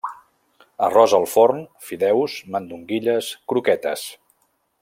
Arròs al forn, fideus, mandonguilles, croquetes.